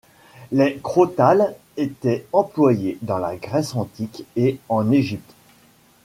Les crotales étaient employés dans la Grèce antique et en Égypte.